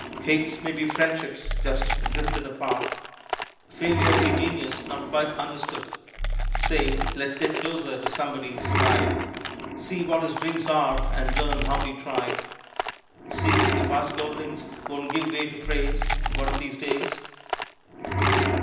Hates may be friendships just drifted apart, Failure be genius not quite understood, Say! Let's get closer to somebody's side, See what his dreams are and learn how he tried, See if our scoldings won't give way to praise One of these days.